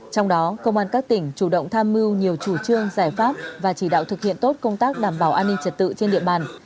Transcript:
trong đó công an các tỉnh chủ động tham mưu nhiều chủ trương giải pháp và chỉ đạo thực hiện tốt công tác đảm bảo an ninh trật tự trên địa bàn